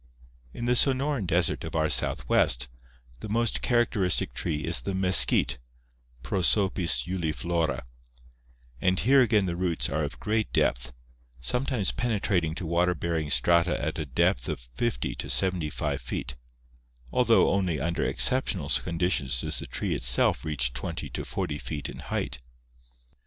In the Sonoran desert of our Southwest, the most characteristic tree is the mesquite (Prosopis juliflora) and here again the roots are of great length, sometimes penetrating to water bearing strata at a depth of 50 to 75 feet, although only under exceptional con ditions does the tree itself reach 20 to 40 feet in height.